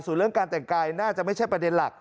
ส่วนเรื่องการแต่งกายน่าจะไม่ใช่ประเด็นหลัก